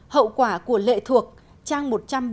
hậu quả của lệ thuộc trang một trăm bảy mươi sáu